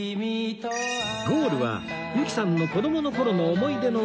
ゴールは由紀さんの子供の頃の思い出の味